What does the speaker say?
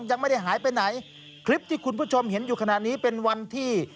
ยังไม่ได้หายไปไหนคลิปที่คุณผู้ชมเห็นอยู่ขณะนี้เป็นวันที่